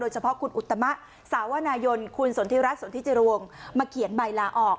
เฉพาะคุณอุตมะสาวนายนคุณสนทิรัฐสนทิจิรวงมาเขียนใบลาออก